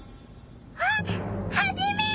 あっハジメ！